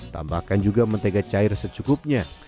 tambahkan juga mentega cair secukupnya